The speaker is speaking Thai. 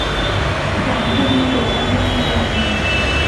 ศาลคดีเด็กและเยาวชน